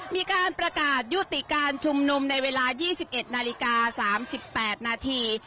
มีการประกาศยุติการชุมนุมในเวลา๒๑นาฬิกา๓๘นาที